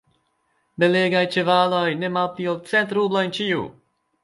Belegaj ĉevaloj, ne malpli ol cent rublojn ĉiu!